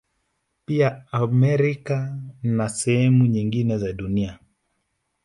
Pia Amerika na sehemu nyingine za Dunia